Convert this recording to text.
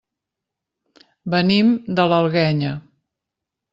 Venim de l'Alguenya.